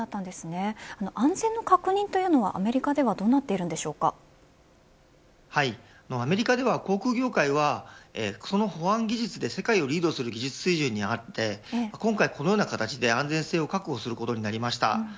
安全の確認というのはアメリカではアメリカでは航空業界は保安技術で世界をリードする技術水準にあって今回はこのような形で安全性を確保する形になりました。